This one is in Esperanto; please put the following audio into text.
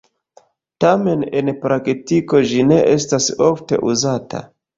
Tamen, en praktiko ĝi ne estas ofte uzata.